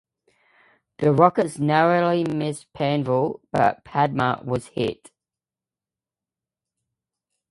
The rockets narrowly missed "Panvel" but "Padma" was hit.